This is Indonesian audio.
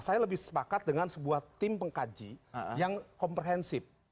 saya lebih sepakat dengan sebuah tim pengkaji yang komprehensif